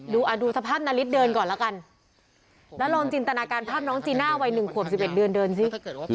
แล้วลองจินตนาการพับน้องจีน่าวัย๑ขวบ๑๑เดือนเดินสิ